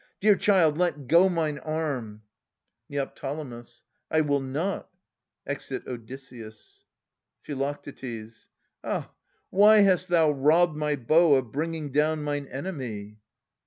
Dear child, let go Mine arm ! Neo. I will not. [Exit Odysseus. Phi. Ah ! Why hast thou ^robbed My bow of bringing down mine enemy